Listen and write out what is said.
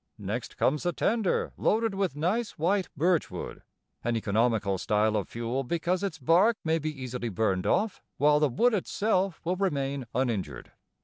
Next comes the tender loaded with nice, white birch wood, an economical style of fuel because its bark may be easily burned off while the wood itself will remain uninjured.